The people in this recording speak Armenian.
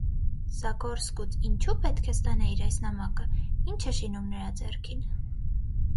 - Զագորսկուց ինչո՞ւ պետք է ստանայիր այս նամակը, ի՞նչ է շինում նրա ձեռքին: